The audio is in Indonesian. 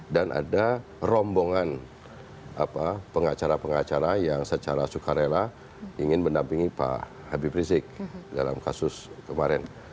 dan ada rombongan pengacara pengacara yang secara sukarela ingin mendampingi pak habib rizik dalam kasus kemarin